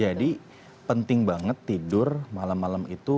jadi penting banget tidur malam malam ini gitu ya